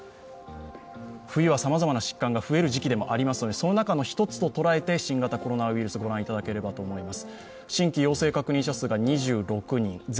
冬はさまざまな疾患が増える時期でもありますのでその中の一つと捉えて新型コロナウイルス見ていただければと思います。